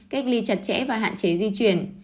cách ly chặt chẽ và hạn chế di chuyển